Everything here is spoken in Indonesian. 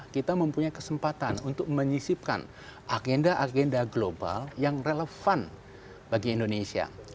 kita mempunyai kesempatan untuk menyisipkan agenda agenda global yang relevan bagi indonesia